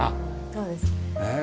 そうですね。